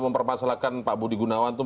mempermasalahkan pak budi gunawan itu